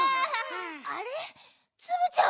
あれっツムちゃんは？